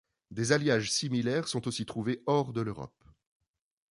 Des alliages similaires sont aussi trouvés hors de l'Europe.